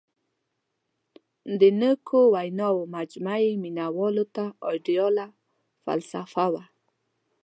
• د نیکو ویناوو مجموعه یې مینوالو ته آیډیاله فلسفه وه.